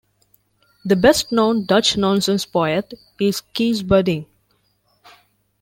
The best-known Dutch Nonsense poet is Cees Buddingh'.